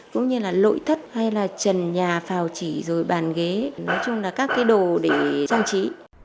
cũng như là lội thất hay là trần nhà phào chỉ rồi bàn ghế nói chung là các cái đồ để trang trí